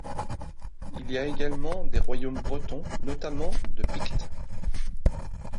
Il y a également des royaumes bretons notamment de Pictes.